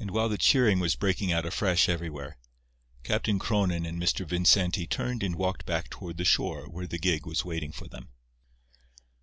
And while the cheering was breaking out afresh everywhere, Captain Cronin and Mr. Vincenti turned and walked back toward the shore where the gig was waiting for them.